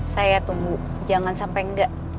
saya tunggu jangan sampai enggak